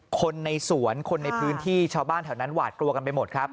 คนในสวนคนในพื้นที่ชาวบ้านแถวนั้นหวาดกลัวกันไปหมดครับ